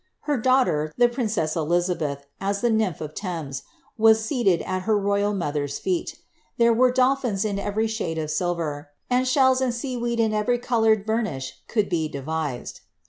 Her daughter, the princess Elizabeth, as the nymph of Thames, was seated at her royal mother^s feet There were dolphins in every shade of silver, and shells and sea weed in every coloured burnish that could be devised.